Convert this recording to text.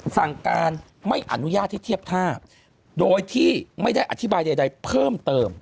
สั่งการไม่อนุญาตให้เทียบท่าโดยที่ไม่ได้อธิบายใดเพิ่มเติม